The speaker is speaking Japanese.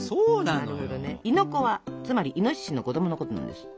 「亥の子」はつまりイノシシの子どものことなんですよ。